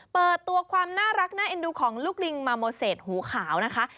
เปิดตัวความน่ารักน่าเอ็นดูของลูกลิงมาโมเศษหูขาวนะคะ